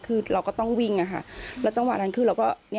คือเราก็ต้องวิ่งอะค่ะแล้วจังหวะนั้นคือเราก็